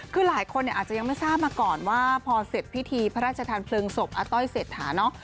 คือหลายคนอาจจะยังไม่ทราบมาก่อนว่าพอเสร็จพิธีพระราชทานเพลิงศพอาต้อยเศรษฐาเนาะ